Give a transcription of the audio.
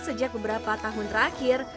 sejak beberapa tahun terakhir